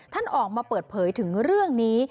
ท่านออกมาเปิดเผยถึงเรื่องนี้